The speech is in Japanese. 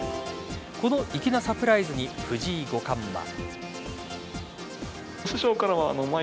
この粋なサプライズに藤井五冠は。